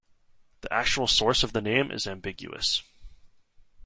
The actual source of the name is ambiguous.